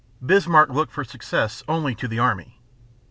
Bismarck looked for success only to the army.